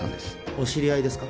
お知り合いですか？